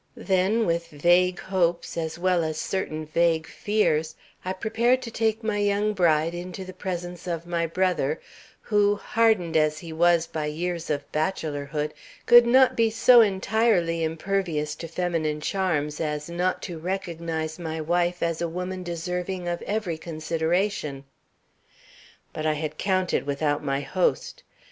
Then, with vague hopes, as well as certain vague fears, I prepared to take my young bride into the presence of my brother, who, hardened as he was by years of bachelorhood, could not be so entirely impervious to feminine charms as not to recognize my wife as a woman deserving of every consideration. "But I had counted without my host.